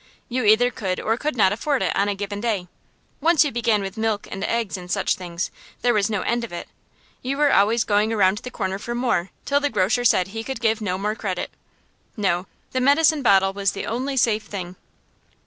You either could or could not afford it, on a given day. Once you began with milk and eggs and such things, there was no end of it. You were always going around the corner for more, till the grocer said he could give no more credit. No; the medicine bottle was the only safe thing.